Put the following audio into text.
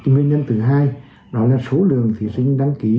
nguyên nhân thứ hai đó là số lượng thí sinh đăng ký